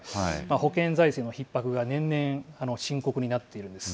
保険財政のひっ迫が年々、深刻になっているんです。